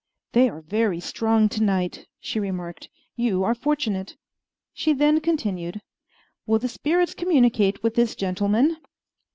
"They are very strong to night," she remarked. "You are fortunate." She then continued, "Will the spirits communicate with this gentleman?"